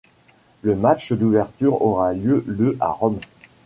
Le match d'ouverture aura lieu le à Rome.